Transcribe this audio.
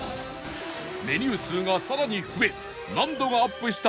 メニュー数がさらに増え難度がアップした